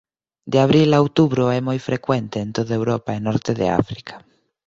De abril a outubro é moi frecuente en toda Europa e Norte de África.